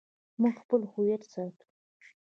موږ خپل هویت ساتو